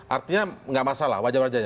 artinya nggak masalah wajar wajarnya